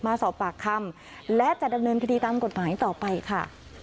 มาสอบปากคำและจะดำเนินคดีตามกฎหมายต่อไปค่ะ